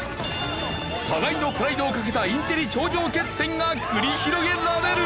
互いのプライドをかけたインテリ頂上決戦が繰り広げられる！